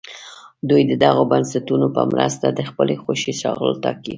دوی د دغو بنسټونو په مرسته د خپلې خوښې شغل ټاکي.